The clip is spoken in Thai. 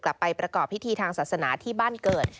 กลับไปประกอบพิธีทางศาสนาที่บ้านเกิด